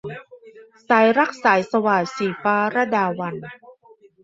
สายรักสายสวาท - ศรีฟ้า ลดาวัลย์